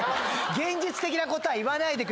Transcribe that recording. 現実的なことは言わないでください。